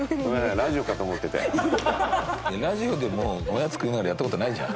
ラジオでもおやつ食いながらやった事ないじゃん。